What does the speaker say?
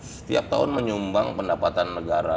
setiap tahun menyumbang pendapatan negara